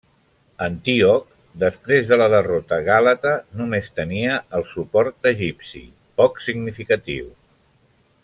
Antíoc, després de la derrota gàlata, només tenia el suport egipci, poc significatiu.